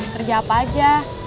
kerja apa aja